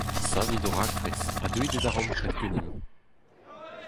Savit ho raktres ha deuit e darempred ganimp !